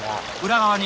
裏側に。